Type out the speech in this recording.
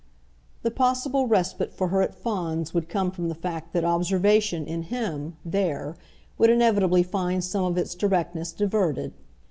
The possible respite for her at Fawns would come from the fact that observation, in him, there, would inevitably find some of its directness diverted.